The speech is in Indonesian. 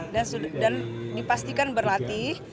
dan dipastikan berlatih